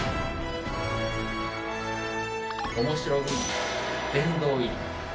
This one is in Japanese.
面白部門殿堂入り。